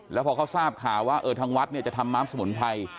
แล้วพอเขาทราบข่าวว่าทางวัดเนี่ยจะทำม้ามสมุนไพร